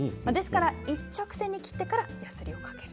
一直線に切ってからやすりをかける。